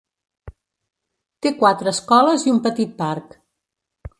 Té quatre escoles i un petit parc.